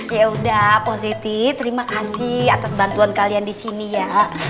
yaudah positi terima kasih atas bantuan kalian disini ya